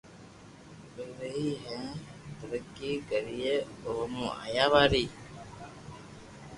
ودئي ھين ترقي ڪرئي او مون آيا واري